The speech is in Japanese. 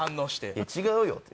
いや違うよって。